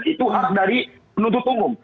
itu hak dari penuntut umum